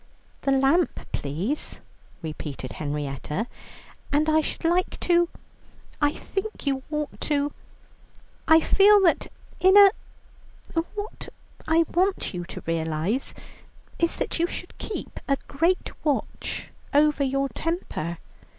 "The lamp, please," repeated Henrietta, "and I should like to I think you ought to I feel that in a what I want you to realize is that you should keep a great watch over your temper.